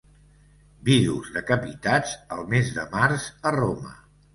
Vidus decapitats el mes de març a Roma.